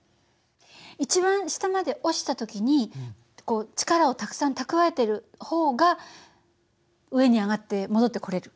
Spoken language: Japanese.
一番下まで落ちた時に力をたくさん蓄えている方が上に上がって戻ってこれる。